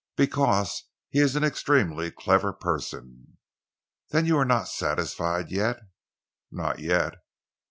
"Because he is an extremely clever person." "Then you are not satisfied yet?" "Not yet."